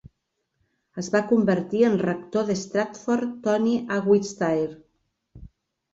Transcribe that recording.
Es va convertir en rector de Stratford Tony a Wiltshire.